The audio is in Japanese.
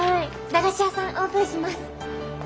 駄菓子屋さんオープンします。